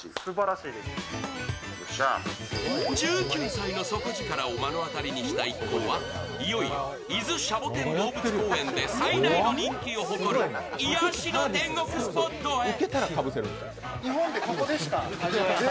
１９歳の底力を目の当たりにした一行はいよいよ伊豆シャボテン動物公園で最大の人気を誇る癒やしの天国スポットへ。